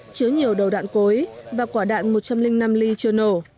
chứa nhiều đầu đạn cối và quả đạn một trăm linh năm ly chưa nổ